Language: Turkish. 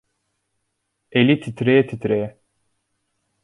Eli titreye titreye.